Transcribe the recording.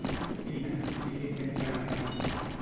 Vine —li diu mentre l'arramba.